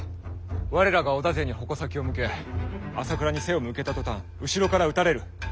我らが織田勢に矛先を向け朝倉に背を向けた途端後ろから討たれる。